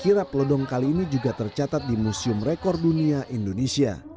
kirap lodong kali ini juga tercatat di museum rekor dunia indonesia